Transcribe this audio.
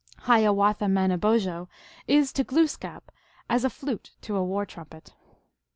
Hiawatha Manobozho is to Gloos kap as a flute to a war trumpet.